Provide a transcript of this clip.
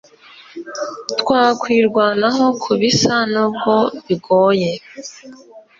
Twakwirwanaho kubisa nubwo bigoye